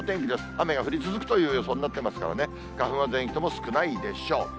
雨が降り続くという予想になってますからね、花粉は全域とも少ないでしょう。